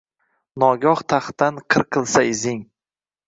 Nogoh taxtdan qirqilsa izing